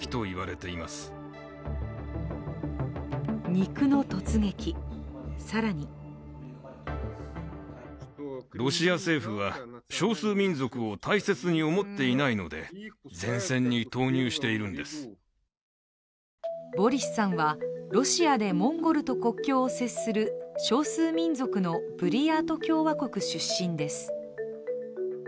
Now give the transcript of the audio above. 肉の突撃、更にボリスさんはロシアでモンゴルと国境を接する少数民族のブリヤート共和国出身です。